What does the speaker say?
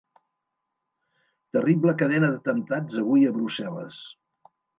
Terrible cadena d'atemptats avui a Brussel·les.